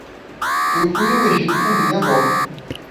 Eu fui ao Egito com minha avó.